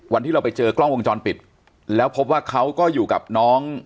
วันที่เราไปเจอกล้องวงจรปิดแล้วพบว่าเขาก็อยู่กับน้อง